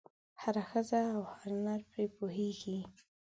هره ښځه او هر نر پرې پوهېږي.